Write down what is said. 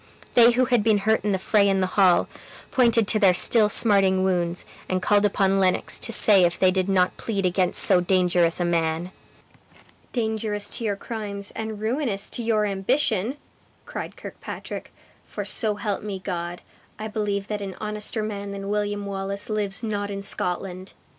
They who had been hurt in the fray in the hall, pointed to their still smarting wounds, and called upon Lennox to say if they did not plead against so dangerous a man? "Dangerous to your crimes, and ruinous to your ambition!" cried Kirkpatrick; "for so help me God, I believe that an honester man than William Wallace lives not in Scotland!